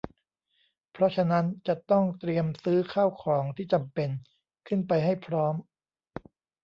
เพราะฉะนั้นจะต้องเตรียมซื้อข้าวของที่จำเป็นขึ้นไปให้พร้อม